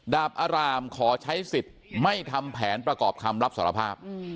ดาบอารามขอใช้สิทธิ์ไม่ทำแผนประกอบคำรับสารภาพ